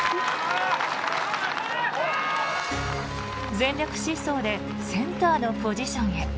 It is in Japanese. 全力疾走でセンターのポジションへ。